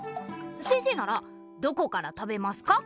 先生ならどこから食べますか？